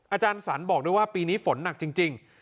อาจารย์สรรบอกด้วยว่าปีนี้ฝนหนักจริง